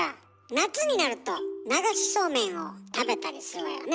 夏になると流しそうめんを食べたりするわよね。